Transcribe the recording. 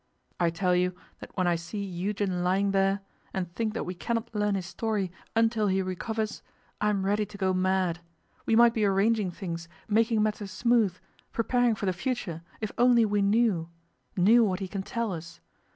I tell you that when I see Eugen lying there, and think that we cannot learn his story until he recovers, I am ready to go mad. We might be arranging things, making matters smooth, preparing for the future, if only we knew knew what he can tell us.